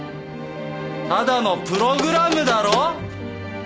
ただのプログラムだろ？